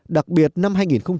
đặc biệt năm hai nghìn một mươi bảy